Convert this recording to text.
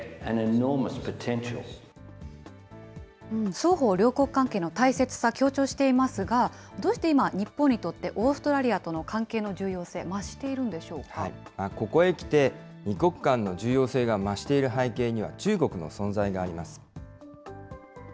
双方、両国関係の大切さ、強調していますが、どうして今、日本にとってオーストラリアとの関係の重要性、ここへきて２国間の重要性が増している背景には、中国の存在があります。